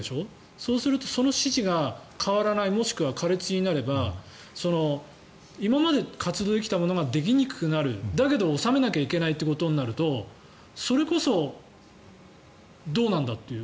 そうするとその指示が変わらないもしくは苛烈になれば今まで活動できたものができにくくなるだけど納めなきゃいけないとなるとそれこそどうなんだという。